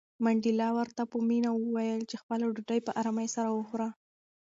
منډېلا ورته په مینه وویل چې خپله ډوډۍ په آرامۍ سره وخوره.